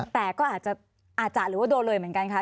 แต่ก็อาจจะหรือว่าโดนเลยเหมือนกันค่ะ